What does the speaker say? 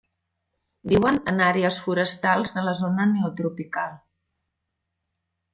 Viuen en àrees forestals de la zona neotropical.